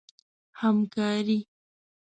همکاري